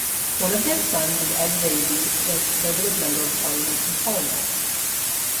One of their sons is Ed Vaizey, the Conservative Member of Parliament and columnist.